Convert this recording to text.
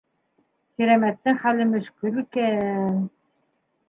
- Кирәмәттең хәле мөшкөл икән...